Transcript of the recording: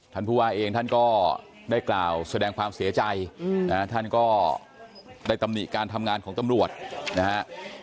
ท่านผู้ว่าเองท่านก็ได้กล่าวแสดงความเสียใจนะฮะท่านก็ได้ตำหนิการทำงานของตำรวจนะฮะ